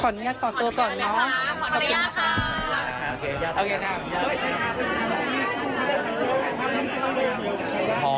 ขออนุญาตก่อตัวก่อนน้อง